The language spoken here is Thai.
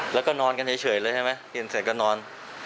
แล้วก็นอนกันเฉยเลยใช่ไหมกินเสร็จก็นอน